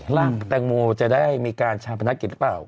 ร่างแตงโมจะได้มีการชาปนักกิจหรือเปล่า